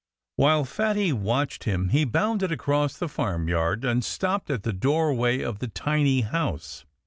While Fatty watched him he bounded across the farmyard and stopped at the doorway of the tiny house.